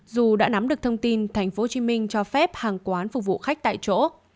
dù đã nắm được thông tin tp hcm cho phép hàng quán phục vụ khách tại chỗ